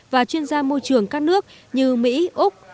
với các nhà khu vực